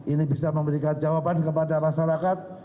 ini bisa memberikan jawaban kepada masyarakat